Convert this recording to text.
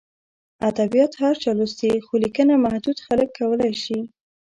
ادبیات هر چا لوستي، خو لیکنه محدود خلک کولای شي.